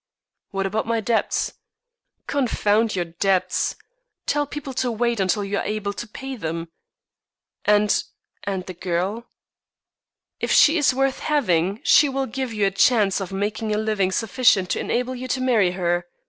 "What about my debts?" "Confound your debts. Tell people to wait until you are able to pay them." "And and the girl?" "If she is worth having she will give you a chance of making a living sufficient to enable you to marry her.